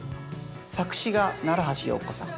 作詞が奈良橋陽子さん。